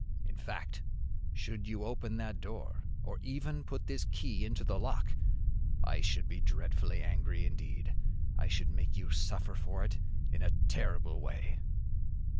In fact, should you open that door, or even put this key into the lock, I should be dreadfully angry, indeed I should make you suffer for it in a terrible way."